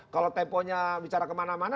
kalau temponya bicara kemana mana